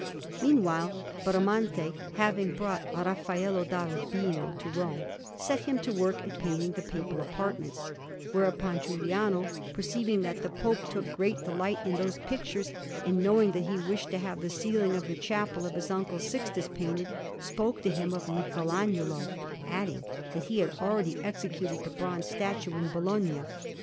Meanwhile Bramante, having brought Raffaello da Urbino to Rome, set him to work at painting the Papal apartments; whereupon Giuliano, perceiving that the Pope took great delight in those pictures, and knowing that he wished to have the ceiling of the chapel of his uncle Sixtus painted, spoke to him of Michelagnolo, adding that he had already executed the bronze statue in Bologna.